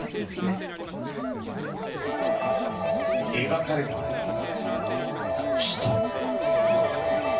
描かれたのは、人。